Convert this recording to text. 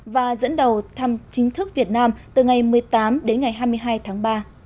và dẫn đầu thăm chính thức việt nam từ ngày một mươi tám đến ngày hai mươi hai tháng ba